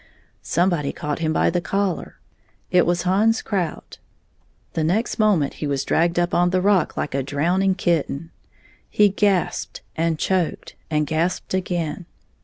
Somebody caught him by the collar — it was Hans 28 Krout. The next moment he was dragged up on the rock Uke a drowning kitten. He gasped and choked and gasped again.